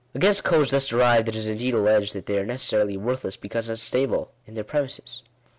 Against codes thus derived, it is indeed alleged, that they are necessarily worthless because unstable in their premises.